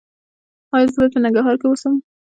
ایا زه باید په ننګرهار کې اوسم؟